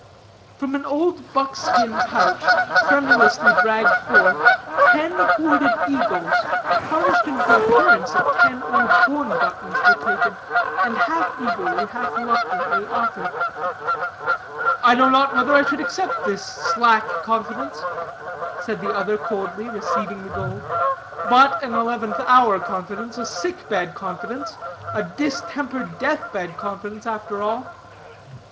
From an old buckskin pouch, tremulously dragged forth, ten hoarded eagles, tarnished into the appearance of ten old horn buttons, were taken, and half eagerly, half reluctantly, offered. "I know not whether I should accept this slack confidence," said the other coldly, receiving the gold, "but an eleventh hour confidence, a sick bed confidence, a distempered, death bed confidence, after all.